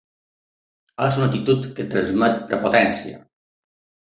És una actitud que transmet prepotència.